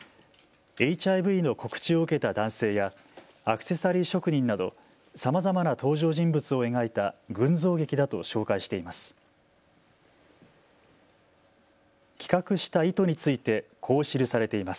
ＨＩＶの告知を受けた男性やアクセサリー職人などさまざまな登場人物を描いた群像劇だと紹介しています。